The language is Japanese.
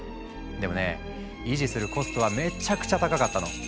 でもね維持するコストはめちゃくちゃ高かったの。